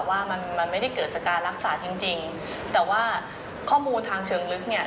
ว่ามันมันไม่ได้เกิดจากการรักษาจริงจริงแต่ว่าข้อมูลทางเชิงลึกเนี่ย